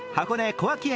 小涌園